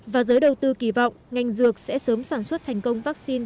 và giới đầu tư kỳ vọng ngành dược sẽ sớm sản xuất thành công vaccine